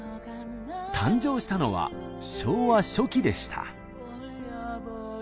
誕生したのは昭和初期でした。